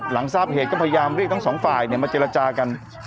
หลังทราบเหตุก็พยายามเรียกทั้งสองฝ่ายมาเจรจากัน